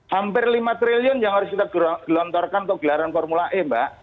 hampir lima triliun yang harus kita gelontorkan untuk gelaran formula e mbak